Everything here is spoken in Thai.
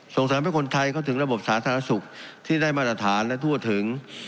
ส่งเสริมให้คนไทยเข้าถึงระบบสาธารณสุขที่ได้มาตรฐานและทั่วถึง